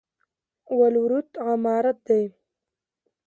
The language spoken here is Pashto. ولورت عمارت دی؟